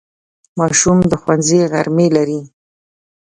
ماشوم د ښوونځي غرمې لري.